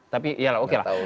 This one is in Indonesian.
tapi iyalah oke lah